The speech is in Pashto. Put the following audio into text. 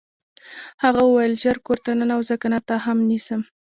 هغه وویل ژر کور ته ننوځه کنه تا هم نیسم